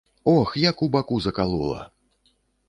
Ох, як у баку закалола.